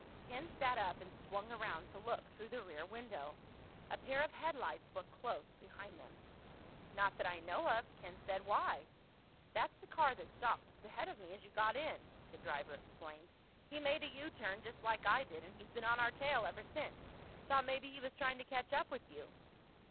Ken sat up and swung around to look through the rear window. A pair of headlights were close behind them. "Not that I know of," Ken said. "Why?" "That's the car that stopped just ahead of me as you got in," the driver explained. "He made a U turn, just like I did, and he's been on our tail ever since. Thought maybe he was trying to catch up with you."